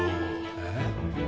えっ？